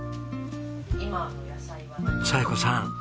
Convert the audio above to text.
彩子さん